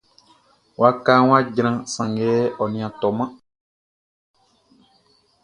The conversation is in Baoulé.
Wakaʼn wʼa jran, sanngɛ ɔ nin a tɔman.